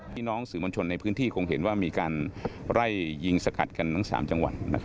พี่น้องสื่อมวลชนในพื้นที่คงเห็นว่ามีการไล่ยิงสกัดกันทั้ง๓จังหวัด